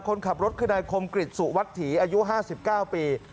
คนขับรถคือนายคมกริจสุวัตถีอายุ๕๙ปี